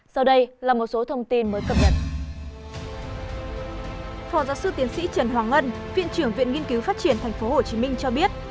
sau đây là một số thông tin mới cập nhật